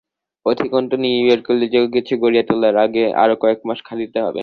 অধিকন্তু নিউ ইয়র্কে উল্লেখযোগ্য কিছু গড়িয়া তোলার আগে আরও কয়েক মাস খাটিতে হইবে।